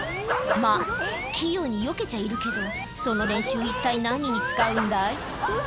まぁ器用によけちゃいるけどその練習一体何に使うんだい？